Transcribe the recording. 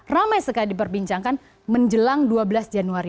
ramai sekali diperbincangkan menjelang dua belas januari